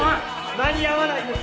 間に合わないんです。